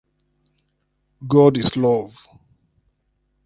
God is Love.